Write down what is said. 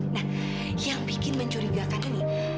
nah yang bikin mencurigakannya nih